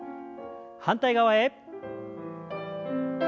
反対側へ。